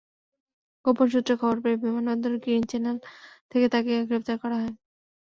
গোপন সূত্রে খবর পেয়ে বিমানবন্দরের গ্রিন চ্যানেল থেকে তাঁকে গ্রেপ্তার করা হয়।